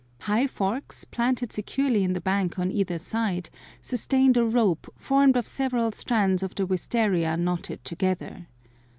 High forks planted securely in the bank on either side sustained a rope formed of several strands of the wistaria knotted together.